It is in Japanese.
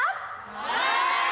はい！